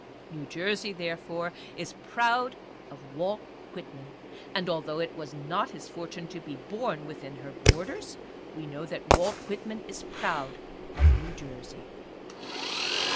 New Jersey, therefore, is proud of Walt Whitman ; and although it was not his fortune to be born withki her borders, we know that Walt Whitman is proud of New Jersey.